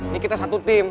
ini kita satu tim